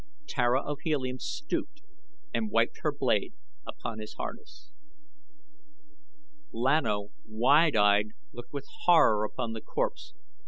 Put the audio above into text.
Tara of Helium stooped and wiped her blade upon his harness. Lan O, wide eyed, looked with horror upon the corpse.